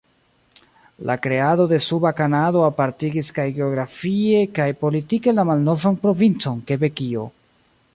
La kreado de Suba Kanado apartigis kaj geografie kaj politike la malnovan provincon Kebekio.